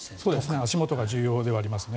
足元が重要ではありますね。